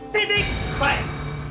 kamu gak bakal nebuk